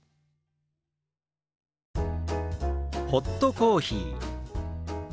「ホットコーヒー」。